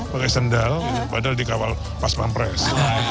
pakai sendal padahal dikawal pas pampres